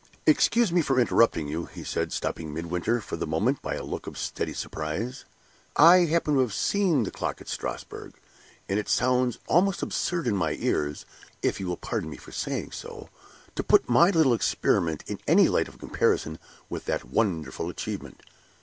"Excuse me for interrupting you," he said, stopping Midwinter for the moment, by a look of steady surprise. "I happen to have seen the clock at Strasbourg; and it sounds almost absurd in my ears (if you will pardon me for saying so) to put my little experiment in any light of comparison with that wonderful achievement.